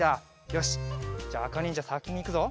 よしっじゃああかにんじゃさきにいくぞ。